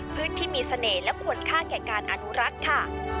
พื้นที่มีเสน่ห์และควรค่าแก่การอนุรักษ์ค่ะ